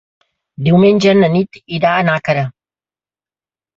Diumenge na Nit irà a Nàquera.